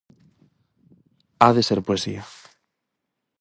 A de ser poesía.